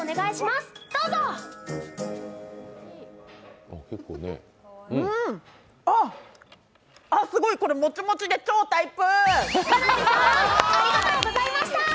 すごい、これもちもちで超タイプ。